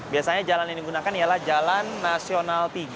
biasanya jalan yang digunakan ialah jalan nasional tiga